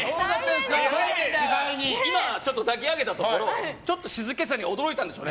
今、抱き上げたところちょっと静けさに驚いたんでしょうね。